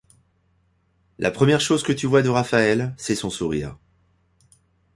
La première chose que tu vois de Raphaëlle, c’est son sourire.